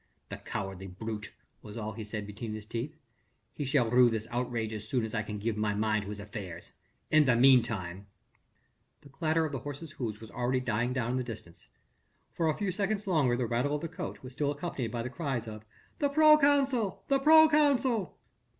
"The cowardly brute!" was all that he said between his teeth, "he shall rue this outrage as soon as I can give my mind to his affairs. In the meanwhile...." The clatter of the horses' hoofs was already dying away in the distance. For a few seconds longer the rattle of the coach was still accompanied by cries of "The proconsul! the proconsul!"